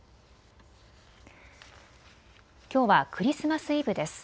きょうはクリスマス・イブです。